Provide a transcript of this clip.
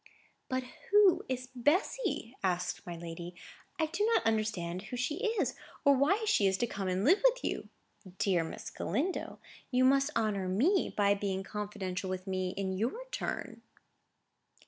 "But who is Bessy?" asked my lady. "I do not understand who she is, or why she is to come and live with you. Dear Miss Galindo, you must honour me by being confidential with me in your turn!"